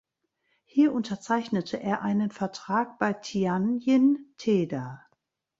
Hier unterzeichnete er einen Vertrag bei Tianjin Teda.